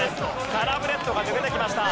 サラブレッドが抜けてきました。